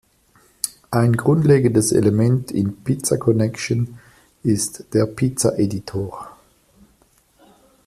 Ein grundlegendes Element in Pizza Connection ist der Pizza-Editor.